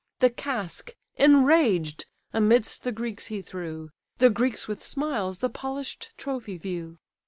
The casque, enraged, amidst the Greeks he threw; The Greeks with smiles the polish'd trophy view.